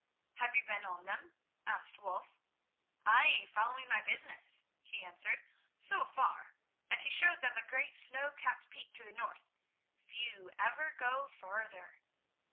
"Have you been on them?" asked Wulf. "Ay, following my business," he answered, "so far." And he showed them a great snow capped peak to the north. "Few ever go further."